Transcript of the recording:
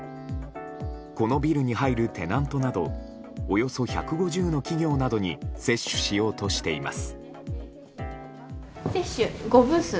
このビルに入るテナントなどおよそ１５０の企業などに接種しようとしています。